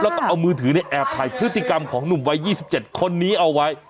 แล้วก็เอามือถือในแอบไทยพฤติกรรมของหนุ่มวัยยี่สิบเจ็ดคนนี้เอาไว้